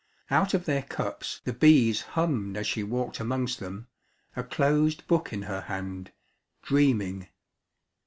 Out of their cups the bees hummed as she walked amongst them, a closed book in her hand, dreaming.